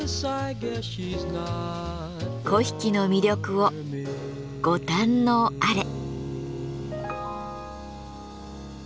粉引の魅力をご堪能あれ。